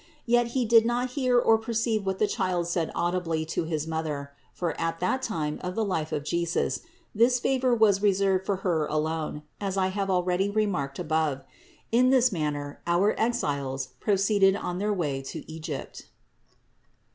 Yet he did not hear or perceive what the Child said audibly to his Mother; for at that time of the life of Jesus this favor was reserved for Her alone, as I have already remarked above. In this manner our Exiles proceeded on their way to Egypt.